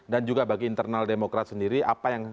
dan juga bagi internal demokrat sendiri apa yang